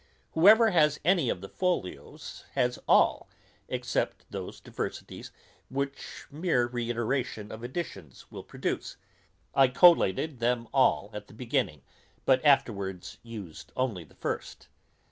Whoever has any of the folios has all, excepting those diversities which mere reiteration of editions will produce. I collated them all at the beginning, but afterwards used only the first.